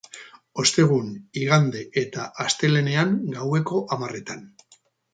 Ostegun, igande eta astelehenean, gaueko hamarretan.